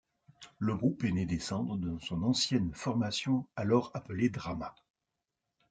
Le groupe est né des cendres de son ancienne formation, alors appelé Drama.